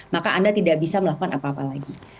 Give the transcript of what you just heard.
maka anda tidak bisa melakukan apa apa lagi